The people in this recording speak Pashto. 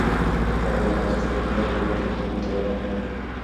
هغه د وخت ارزښت پېژانده او بې ګټې کارونو ته وخت نه ورکاوه.